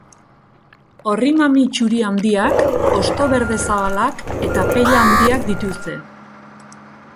Orri-mami txuri handiak, hosto berde zabalak eta pella handiak dituzte.